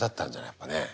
やっぱね。